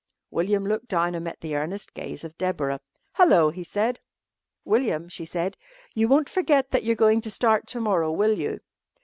William looked down and met the earnest gaze of Deborah. "Hello," he said. "William," she said. "You won't forget that you're going to start to morrow, will you?"